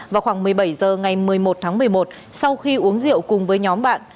vào khoảng một mươi bảy h ngày một mươi một tháng một mươi một sau khi uống rượu cùng với nhóm bạn